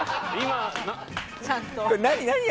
ちゃんと。